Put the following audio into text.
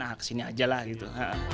ya kesini aja lah gitu